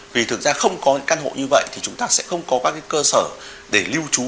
vì thực ra không có những căn hộ như vậy thì chúng ta sẽ không có các cơ sở để lưu trú